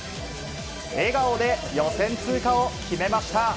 笑顔で予選通過を決めました。